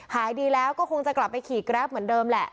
หายดีแล้วก็คงจะกลับไปขี่แกรปเหมือนเดิมแหละ